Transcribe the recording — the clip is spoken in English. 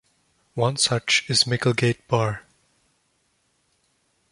One such is Micklegate Bar.